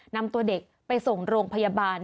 นำตัวเด็กไปส่งโรงพยาบาล